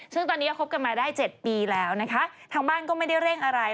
ซึ่งตอนนี้ก็คบกันมาได้๗ปีแล้วนะคะทางบ้านก็ไม่ได้เร่งอะไร